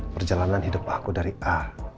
perjalanan hidup aku dari a